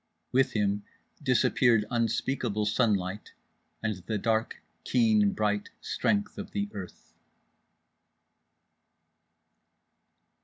With him disappeared unspeakable sunlight, and the dark keen bright strength of the earth.